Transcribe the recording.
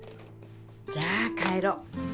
じゃあ帰ろう。